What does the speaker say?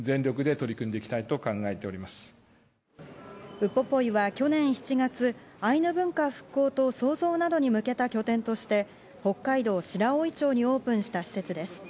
ウポポイは去年７月、アイヌ文化復興と創造などに向けた拠点として北海道白老町にオープンした施設です。